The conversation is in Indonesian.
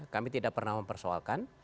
kami tidak pernah mempersoalkan